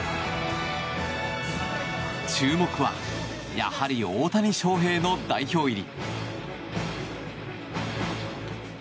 注目は、やはり大谷翔平の代表入り。